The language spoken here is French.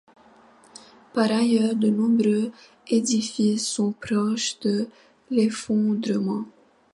Par ailleurs, de nombreux édifices sont proches de l'effondrement.